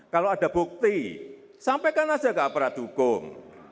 kalau ada bukti sampaikan saja ke aparat hukum